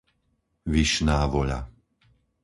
Vyšná Voľa